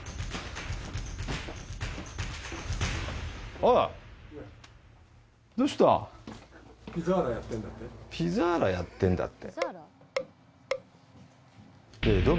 あらっピザーラやってんだって？